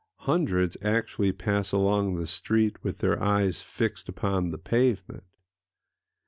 Hundreds actually pass along the street with their eyes fixed upon the pavement.